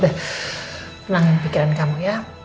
pelangin pikiran kamu ya